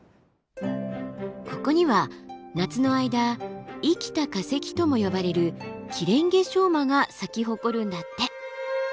ここには夏の間「生きた化石」とも呼ばれるキレンゲショウマが咲き誇るんだって。